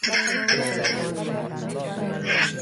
ما تر ډېره وخته پر دي پروژه کار کړی و.